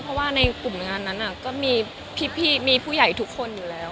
เพราะว่าในกลุ่มงานนั้นก็มีพี่มีผู้ใหญ่ทุกคนอยู่แล้ว